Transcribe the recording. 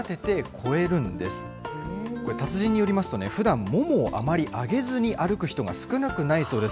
これ、達人によりますとね、ふだん、ももをあまり上げずに歩く人が少なくないそうです。